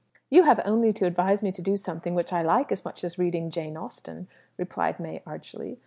"You have only to advise me to do something which I like as much as reading Jane Austen," replied May archly.